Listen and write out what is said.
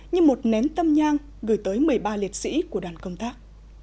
như một nén tâm nhang gửi tới một mươi ba liệt sĩ của đoàn công tác